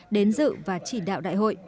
đến dự và chỉ đạo đại hội